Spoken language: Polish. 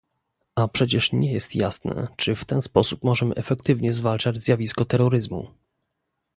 A przecież nie jest jasne, czy w ten sposób możemy efektywnie zwalczać zjawisko terroryzmu